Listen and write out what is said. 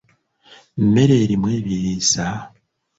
Mmere erimu ebiriisa?